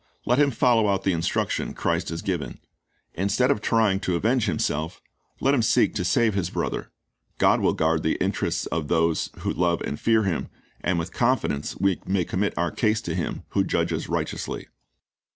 Let him follow out the instruction '> Christ has given. Instead of trying to avenge him self, let him seek to save his brother. God will guard the interests of those who love and fear Him, and with confidence wc may commit our case to Him who judges righteously.